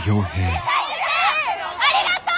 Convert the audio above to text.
ありがとう！